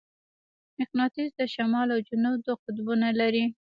مقناطیس د شمال او جنوب دوه قطبونه لري.